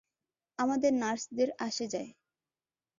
আমাদের নার্সদের আসে যায়।